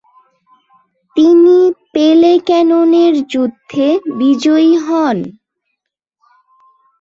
তিনি পেলেকেননের যুদ্ধে বিজয়ী হন।